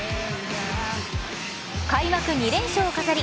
開幕２連勝を飾り